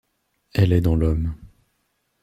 Elle est dans l’homme.